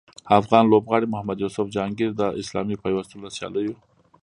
افغان لوبغاړي محمد یوسف جهانګیر د اسلامي پیوستون له سیالیو